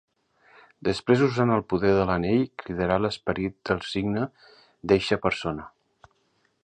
Després usant el poder de l'anell cridarà l'esperit del signe d'eixa persona.